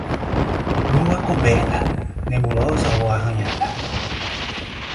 Lua coberta, nebulosa ou arranhada.